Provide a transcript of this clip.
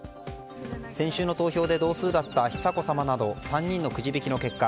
先週の投票で同数だった久子さまなど３人のくじ引きの結果